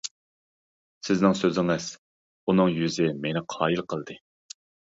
سىزنىڭ سۆزىڭىز، ئۇنىڭ يۈزى مېنى قايىل قىلدى.